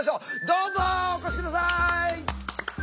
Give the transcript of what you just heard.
どうぞお越し下さい！